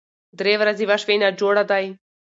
درې ورځې وشوې ناجوړه دی